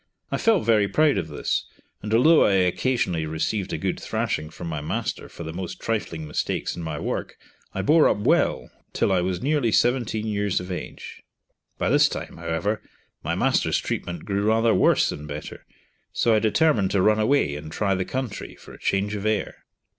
I felt very proud of this, and although I occasionally received a good thrashing from my master for the most trifling mistakes in my work, I bore up well till I was nearly seventeen years of age. By this time, however, my master's treatment grew rather worse than better, so I determined to run away and try the country, for a change of air.